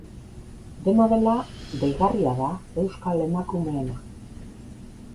Dena dela, deigarria da euskal emakumeena.